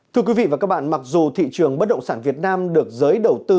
thưa quý vị và các bạn mặc dù thị trường bất động sản việt nam được giới đầu tư